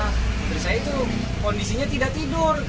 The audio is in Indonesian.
istri saya itu kondisinya tidak tidur